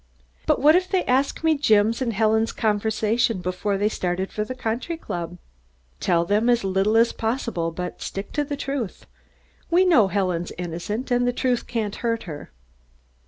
"But what if they ask me Jim's and Helen's conversation before they started for the country club?" "Tell them as little as possible, but stick to the truth. We know Helen's innocent and the truth can't hurt her."